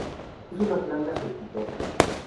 Es una planta cespitosa.